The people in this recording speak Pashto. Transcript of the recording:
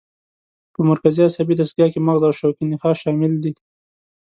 په مرکزي عصبي دستګاه کې مغز او شوکي نخاع شامل دي.